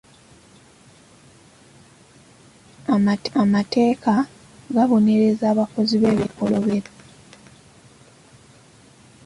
Amateeka gabonereza abakozi b'ebikolobero.